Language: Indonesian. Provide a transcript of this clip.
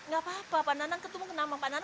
gak apa apa pak nanang ketemu kenapa